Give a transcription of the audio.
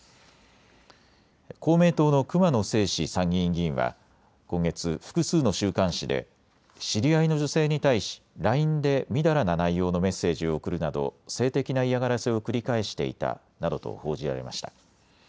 公明党の熊野正士参議院議員は今月、複数の週刊誌で知り合いの女性に対しＬＩＮＥで淫らな内容のメッセージを送るなど性的な嫌がらせを繰り返していたなどと報じられました。